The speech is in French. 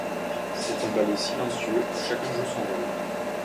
C’est un ballet silencieux où chacun joue son rôle.